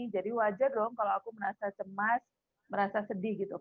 jadi wajar dong kalau aku merasa cemas merasa sedih gitu